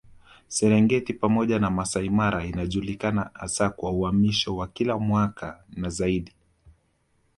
Serengeti pamoja na Masai Mara inajulikana hasa kwa uhamisho wa kila mwaka na zaidi